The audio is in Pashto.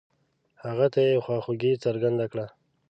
هغه ته يې خواخوږي څرګنده کړه.